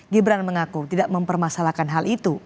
gibran mengaku tidak mempermasalahkan hal itu